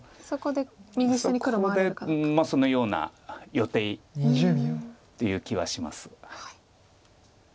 そこでそのような予定っていう気はします。